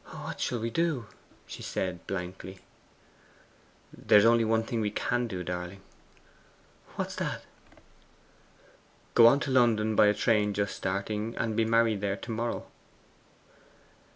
'What shall we do?' she said blankly. 'There's only one thing we can do, darling.' 'What's that?' 'Go on to London by a train just starting, and be married there to morrow.